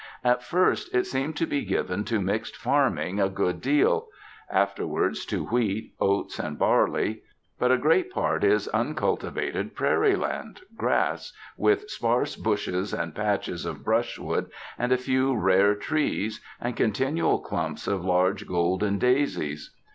At first it seemed to be given to mixed farming a good deal; afterwards to wheat, oats, and barley. But a great part is uncultivated prairie land, grass, with sparse bushes and patches of brushwood and a few rare trees, and continual clumps of large golden daisies.